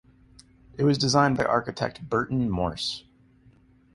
It was designed by architect Burton Morse.